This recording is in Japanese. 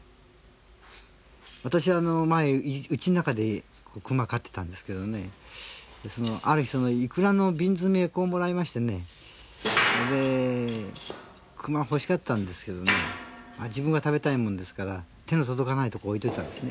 私は前、うちの中でクマを飼っていたんですけどある日イクラの瓶詰めをもらいましてね熊が欲しがったんですけど自分が食べたいもんですから手の届かない所に置いといたんです。